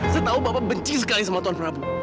saya tahu bapak benci sekali sama tuan prabu